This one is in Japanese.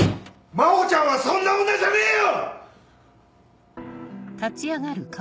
真帆ちゃんはそんな女じゃねえよ‼